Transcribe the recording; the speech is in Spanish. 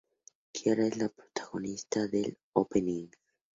Kiara es la protagonista del opening.